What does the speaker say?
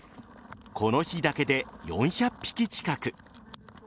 この日だけで４００匹近く。